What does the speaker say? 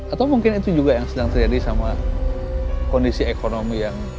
atau mungkin itu juga yang sedang terjadi sama kondisi ekonomi yang